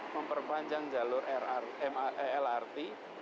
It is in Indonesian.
memperpanjang jalur lrt